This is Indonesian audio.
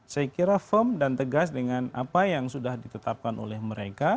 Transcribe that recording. saya kira firm dan tegas dengan apa yang sudah ditetapkan oleh mereka